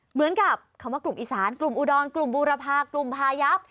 เหมือนกับคำว่ากลุ่มอีสานกลุ่มอุดรกลุ่มบูรพากลุ่มพายับ